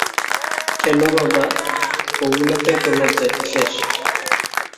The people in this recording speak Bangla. কেন বাবা, ওগুলোতে এত লজ্জা কিসের।